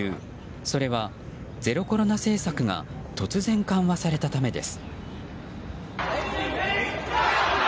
それは、ゼロコロナ政策が突然緩和されたためです。